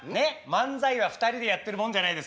漫才は２人でやってるもんじゃないですかね？